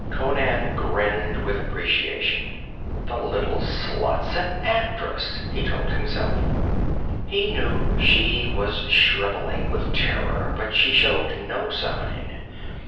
Conan grinned with appreciation. 'The little slut's an actress,' he told himself. He knew she was shriveling with terror, but she showed no sign.